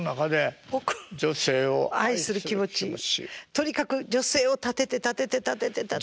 とにかく女性を立てて立てて立てて立てて。